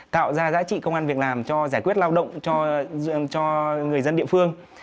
tạo ra giá trị công an việc làm cho giải quyết lao động cho người dân địa phương